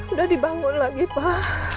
udah dibangun lagi pak